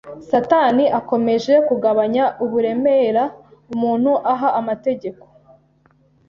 Satani akomeje kugabanya uburemera umuntu aha amategeko.